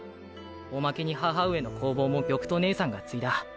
おまけに母上の工房も玉兎姉さんが継いだ。